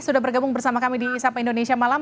sudah bergabung bersama kami di isap indonesia malam